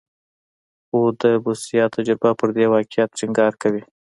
خو د بوسیا تجربه پر دې واقعیت ټینګار کوي.